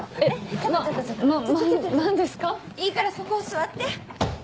いいからそこ座って。